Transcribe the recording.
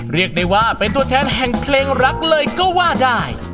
เรียกได้ว่าเป็นตัวแทนแห่งเพลงรักเลยก็ว่าได้